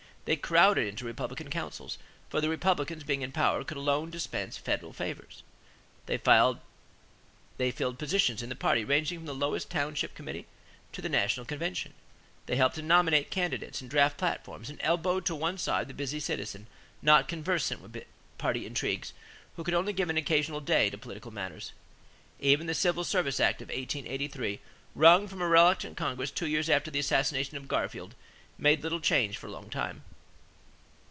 They crowded into Republican councils, for the Republicans, being in power, could alone dispense federal favors. They filled positions in the party ranging from the lowest township committee to the national convention. They helped to nominate candidates and draft platforms and elbowed to one side the busy citizen, not conversant with party intrigues, who could only give an occasional day to political matters. Even the Civil Service Act of 1883, wrung from a reluctant Congress two years after the assassination of Garfield, made little change for a long time.